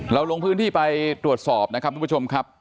ลงพื้นที่ไปตรวจสอบนะครับทุกผู้ชมครับ